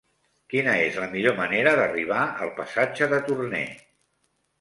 Quina és la millor manera d'arribar al passatge de Torné?